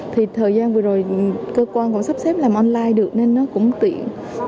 thì thời gian vừa rồi cơ quan còn sắp xếp làm online được nên nó cũng tiện